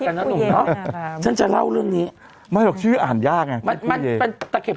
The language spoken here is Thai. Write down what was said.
ไม่ว่าฉันจะเล่าเรื่องนี้ไม่หรอกชื่ออ่านยากมันเป็นตะเข็บ